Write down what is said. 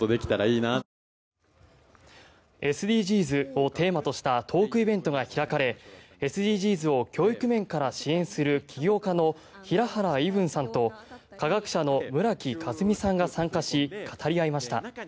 ＳＤＧｓをテーマとしたトークイベントが開かれＳＤＧｓを教育面から支援する起業家の平原依文さんと化学者の村木風海さんが参加し語り合いました。